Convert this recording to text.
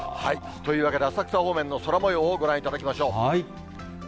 というわけで、浅草方面の空もようをご覧いただきましょう。